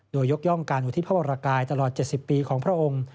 โดยยกย่องการอุทิพระวรกายตลอด๗๐ปีของพระองค์